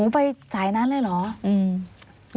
ไปสายนานเลยหรอ